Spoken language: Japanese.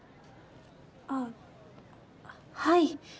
あぁはい。